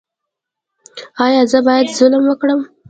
ایا زه باید ظلم وکړم؟